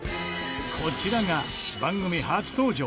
こちらが番組初登場